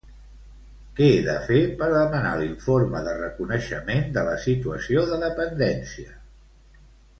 Què he de fer per demanar l'informe de reconeixement de la situació de dependència?